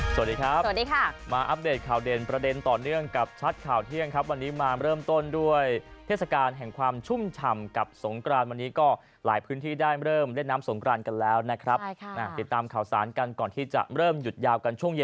สวัสดีครับสวัสดีค่ะมาอัปเดตข่าวเด่นประเด็นต่อเนื่องกับชัดข่าวเที่ยงครับวันนี้มาเริ่มต้นด้วยเทศกาลแห่งความชุ่มฉ่ำกับสงกรานวันนี้ก็หลายพื้นที่ได้เริ่มเล่นน้ำสงกรานกันแล้วนะครับติดตามข่าวสารกันก่อนที่จะเริ่มหยุดยาวกันช่วงเย็น